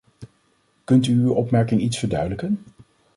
Kunt u uw opmerking iets verduidelijken?